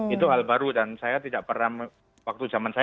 itu hal baru dan saya tidak pernah waktu zaman saya